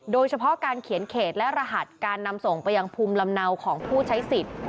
โดยเฉพาะการเขียนเขตและรหัสการนำส่งไปยังภูมิลำเนาของผู้ใช้สิทธิ์